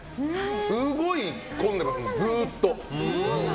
すごい混んでるの、ずっと。